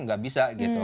gak bisa gitu